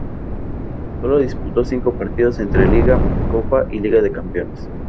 Solo disputó cinco partidos entre Liga, Copa y Liga de Campeones.